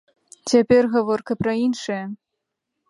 Цяпер гаворка пра іншае.